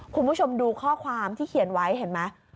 คุณผู้ชมดูข้อความที่เขียนไว้เห็นไหม